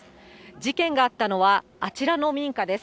事件があったのは、あちらの民家です。